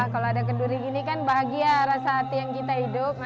kalau ada kenduri gini kan bahagia rasa hati yang kita hidup